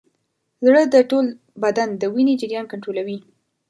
زړه د ټول بدن د وینې جریان کنټرولوي.